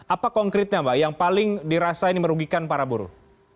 apa konkretnya mbak yang paling dirasa ini merugikan para buruh